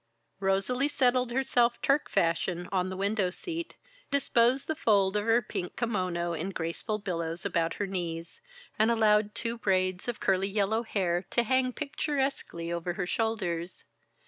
Rosalie settled herself, Turk fashion, on the window seat, disposed the folds of her pink kimono in graceful billows about her knees, and allowed two braids of curly yellow hair to hang picturesquely over her shoulders.